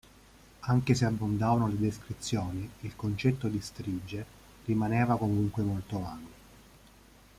Anche se abbondavano le descrizioni, il concetto di strige rimaneva comunque molto vago.